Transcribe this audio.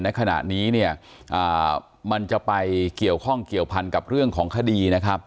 ในขณะนี้เนี่ยมันจะไปเกี่ยวข้องเกี่ยวพันกับเรื่องของคดีนะครับ